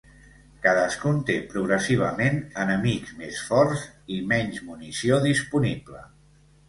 Cadascun té progressivament enemics més forts i menys munició disponible.